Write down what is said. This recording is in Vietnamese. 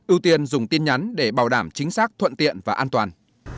ưu tiên dùng tin nhắn để bảo đảm chính xác thuận tiện và an toàn